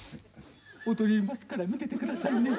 踊りますから見ててくださいね。